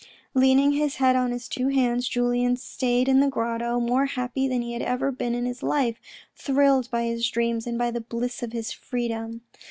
Leaning his head on his two hands, Julien stayed in the grotto, more happy than he had ever been in his life, thrilled by his dreams, and by the bliss of his freedom.